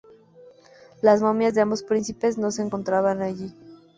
Las momias de ambos príncipes no se encontraban allí.